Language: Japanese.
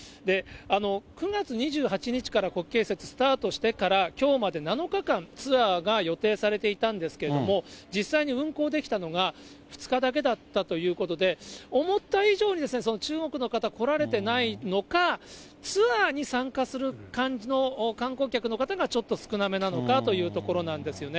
９月２８日から国慶節スタートしてから、きょうまで７日間、ツアーが予定されていたんですけれども、実際に運行できたのが２日だけだったということで、思った以上に中国の方来られてないのか、ツアーに参加する感じの観光客の方がちょっと少なめなのかというところなんですよね。